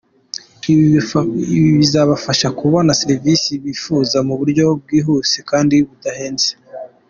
Ibi bizabafasha kubona serivisi bifuza mu buryo bwihuse kandi budahenze.